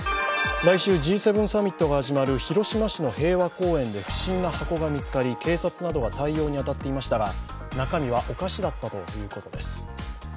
来週Ｇ７サミットが始まる広島市の平和公園で不審な箱が見つかり、警察などが対応に当たっていましたが、中身はお菓子だったということです。